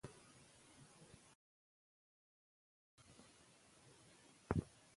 ښځو ډوډۍ پخوله.